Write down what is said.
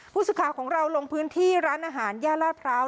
ผู้สื่อข่าวของเราลงพื้นที่ร้านอาหารย่านลาดพร้าว